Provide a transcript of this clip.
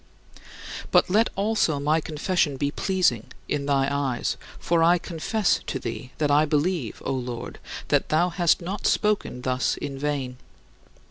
But let also my confession be pleasing in thy eyes, for I confess to thee that I believe, O Lord, that thou hast not spoken thus in vain.